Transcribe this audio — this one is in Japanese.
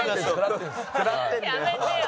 やめてよ。